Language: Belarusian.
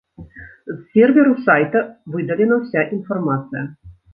З серверу сайта выдалена ўся інфармацыя.